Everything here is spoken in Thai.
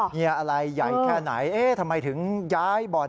เฮียอะไรใหญ่แค่ไหนทำไมถึงย้ายบอล